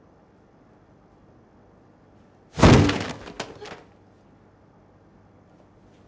・えっ？